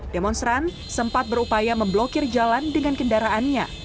demonstran sempat berupaya memblokir jalan dengan kendaraannya